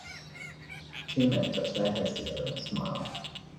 Two men touch their heads together and smile.